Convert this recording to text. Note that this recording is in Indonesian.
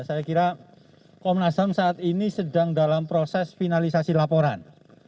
saya kira komnas ham saat ini sedang dalam proses finalisasi laporan